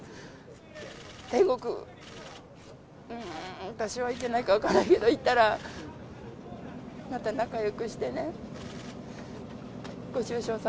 天国、うーん、私は行けないか分からないけど、行ったら、また仲よくしてね。